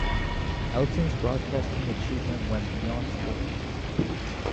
Elson's broadcasting achievements went beyond sports.